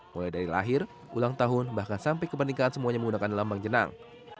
mulai dari lahir ulang tahun bahkan sampai ke pernikahan semuanya menggunakan lambang jenang